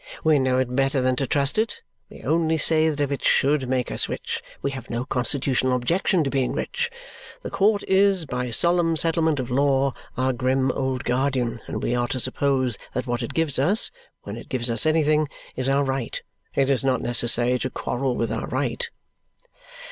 "We know it better than to trust to it. We only say that if it SHOULD make us rich, we have no constitutional objection to being rich. The court is, by solemn settlement of law, our grim old guardian, and we are to suppose that what it gives us (when it gives us anything) is our right. It is not necessary to quarrel with our right."